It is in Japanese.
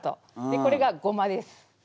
でこれがゴマです。